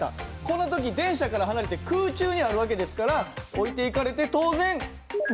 この時電車から離れて空中にある訳ですから置いていかれて当然後ろに落ちると。